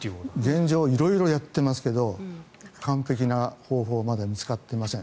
現状、色々やってますが完璧な方法はまだ見つかっていません。